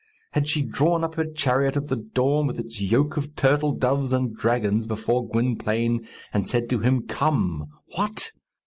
had she drawn up her chariot of the dawn, with its yoke of turtle doves and dragons, before Gwynplaine, and said to him, "Come!" What!